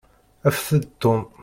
Afet-d Tom.